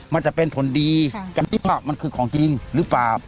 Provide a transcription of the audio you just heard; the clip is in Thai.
มันจะเป็นผลดีกระติ๊บมันคือของจริงหรือเปล่า